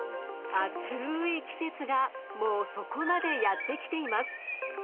暑い季節がもうそこまでやってきています。